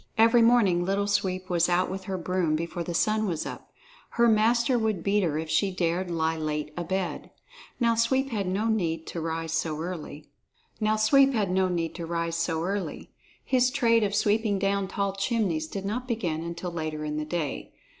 Every morning Little Sweep was out with her broom, before the sun was up. Her master would beat her if she dared lie late abed. Now Sweep had no need to rise so early. His trade of sweeping down tall chimneys did not begin until later in the day.